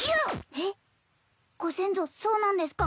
えっご先祖そうなんですか？